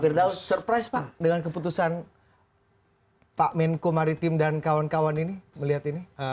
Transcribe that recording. firdaus surprise pak dengan keputusan pak menko maritim dan kawan kawan ini melihat ini